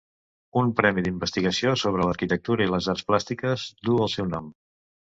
Un premi d'investigació sobre l'arquitectura i les arts plàstiques duu el seu nom.